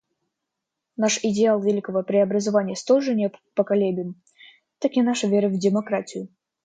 Наш идеал великого преобразования столь же непоколебим, как и наша вера в демократию.